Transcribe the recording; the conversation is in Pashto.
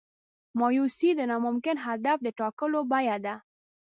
مایوسي د ناممکن هدف د ټاکلو بیه ده.